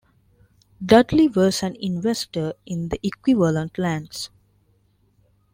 Dudley was an investor in the Equivalent Lands.